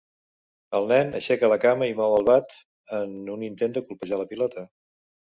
El nen aixeca la cama i mou el bat en un intent de colpejar la pilota.